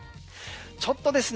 ちょっとですね